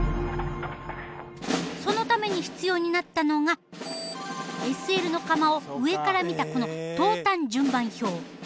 そのために必要になったのがＳＬの窯を上から見たこの投炭順番表。